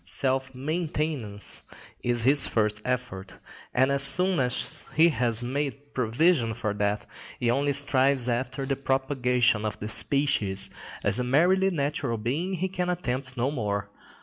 Self maintenance is his first effort, and as soon as he has made provision for that, he only strives after the propagation of the species: as a merely natural being he can attempt no more.